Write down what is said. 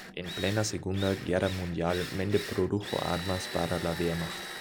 En plena Segunda guerra mundial, Mende produjo armas para la Wehrmacht.